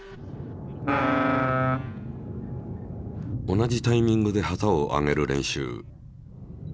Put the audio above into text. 同じタイミングで旗を挙げる練習。